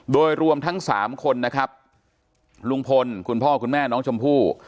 โดยรวมทั้งสามคนนะครับลุงพลคุณพ่อคุณแม่น้องชมพู่